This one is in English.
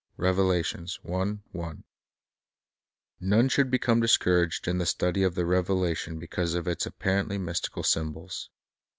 1 None should become dis couraged in the study of the Revelation because of its apparently mystical symbols.